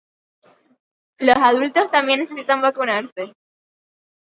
Los adultos también necesitan vacunarse